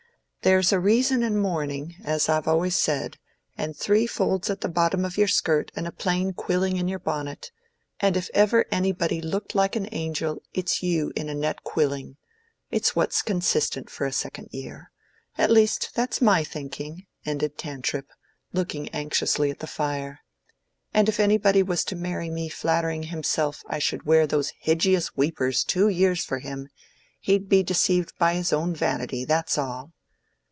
"There's a reason in mourning, as I've always said; and three folds at the bottom of your skirt and a plain quilling in your bonnet—and if ever anybody looked like an angel, it's you in a net quilling—is what's consistent for a second year. At least, that's my thinking," ended Tantripp, looking anxiously at the fire; "and if anybody was to marry me flattering himself I should wear those hijeous weepers two years for him, he'd be deceived by his own vanity, that's all."